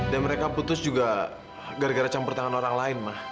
dan mereka putus juga gara gara campur tangan orang lain ma